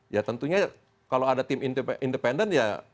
ya tentunya kalau ada tim independen ya